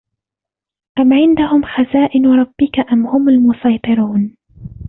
أَمْ عِنْدَهُمْ خَزَائِنُ رَبِّكَ أَمْ هُمُ الْمُصَيْطِرُونَ